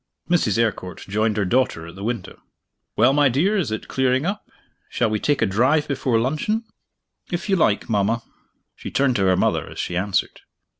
Mrs. Eyrecourt joined her daughter at the window. "Well, my dear, is it clearing up? Shall we take a drive before luncheon?" "If you like, mama." She turned to her mother as she answered.